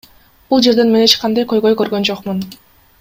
Бул жерден мен эч кандай көйгөй көргөн жокмун.